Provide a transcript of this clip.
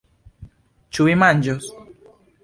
Ĉu vi manĝos?